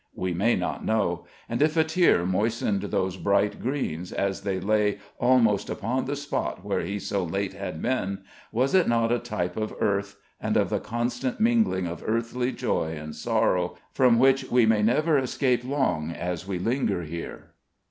We may not know; and if a tear moistened those bright greens, as they lay almost upon the spot where he so late had been, was it not a type of earth, and of the constant mingling of earthly joy and sorrow, from which we may never escape long as we linger here?